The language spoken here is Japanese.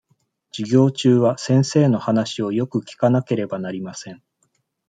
授業中は先生の話をよく聞かなければなりません。